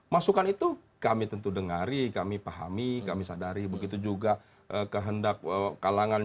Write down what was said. masukan itu kami tentu dengari kami pahami kami sadari begitu juga kehendak kalangan